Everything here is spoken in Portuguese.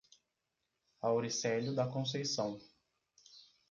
Auricelio da Conceicao